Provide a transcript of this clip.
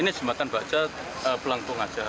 ini jembatan bajak pelangkung saja